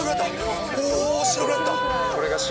おお、白くなった。